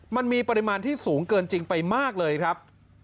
มันมีปริมาณที่สูงเกินจริงไปมากเลยครับ